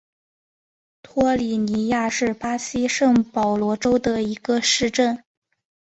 托里尼亚是巴西圣保罗州的一个市镇。